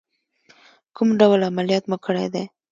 کوم ډول عملیات مو کړی دی؟